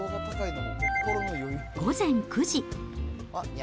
午前９時。